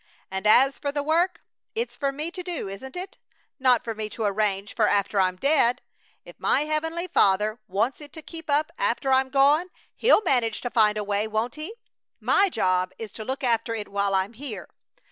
"And as for the work, it's for me to do, isn't it? Not for me to arrange for after I'm dead. If my heavenly Father wants it to keep up after I'm gone He'll manage to find a way, won't He? My job is to look after it while I'm here.